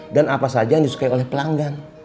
dan apa saja yang disukai oleh pelanggan